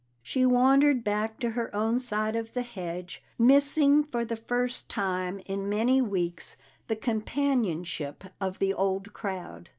She wandered back to her own side of the hedge, missing for the first time in many weeks the companionship of the old crowd.